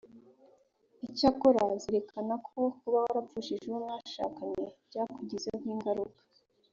icyakora zirikana ko kuba warapfushije uwo mwashakanye byakugizeho ingaruka